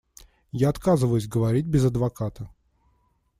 Я отказываюсь говорить без адвоката.